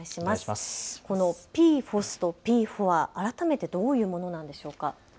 このＰＦＯＳとＰＦＯＡ改めてどういうものなんでしょうか。